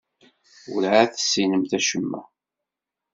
Werɛad tessinemt acemma.